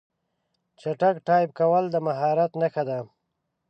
چټک ټایپ کول د مهارت نښه ده.